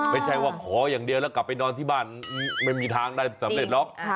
ไม่ใช่ว่าขออย่างเดียวแล้วกลับไปนอนที่บ้านไม่มีทางได้สำเร็จหรอก